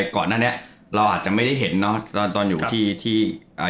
ก่อนหน้านี้เราอาจจะไม่ได้เห็นเนอะตอนตอนอยู่ที่ที่อ่า